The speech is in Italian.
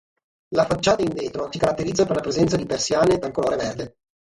La facciata in vetro si caratterizza per la presenza di persiane dal colore verde.